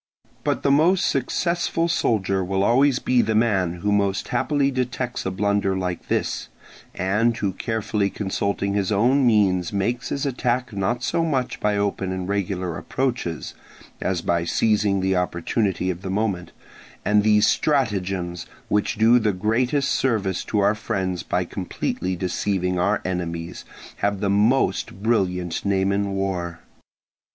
But the most successful soldier will always be the man who most happily detects a blunder like this, and who carefully consulting his own means makes his attack not so much by open and regular approaches, as by seizing the opportunity of the moment; and these stratagems, which do the greatest service to our friends by most completely deceiving our enemies, have the most brilliant name in war.